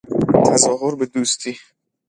تظاهر به دوستی